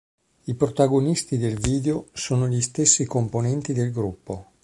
I protagonisti del video sono gli stessi componenti del gruppo.